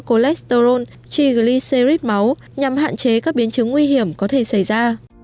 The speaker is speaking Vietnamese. cholesterol chigliserip máu nhằm hạn chế các biến chứng nguy hiểm có thể xảy ra